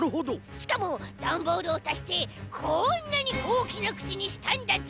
しかもだんボールをたしてこんなにおおきなくちにしたんだぜ。